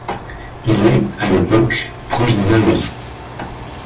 Il est, à l'époque, proche des maoïstes.